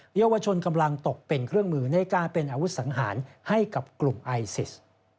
เยาวชนกำลังตกเป็นเครื่องมือในการเป็นอาวุธสังหารให้กับกลุ่มไอซิส